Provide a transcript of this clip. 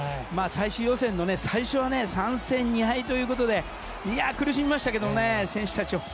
最終予選の最初は３戦２敗ということで苦しみましたけれど、選手たち